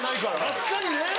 確かにね。